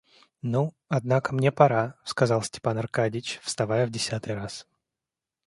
Ну, однако мне пора, — сказал Степан Аркадьич, вставая в десятый раз.